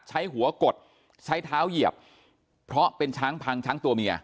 ใช้หัวกดใช้เท้าเหยียบเพราะเป็นช้างพังช้างตัวเมีย